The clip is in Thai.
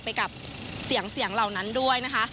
ไปกับเสียงเสียงเหล่านั้นด้วยนะคะ